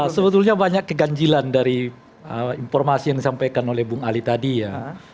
sebetulnya banyak keganjilan dari informasi yang disampaikan oleh bung ali tadi ya